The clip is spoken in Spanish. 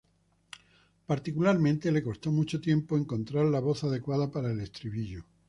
Particularmente, les costó mucho tiempo el encontrar la voz adecuada para el estribillo.